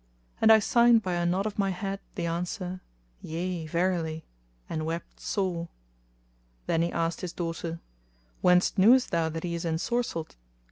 and I signed by a nod of my head the answer, "Yea, verily;" and wept sore. Then he asked his daughter, "Whence knewest thou that he is ensorcelled?"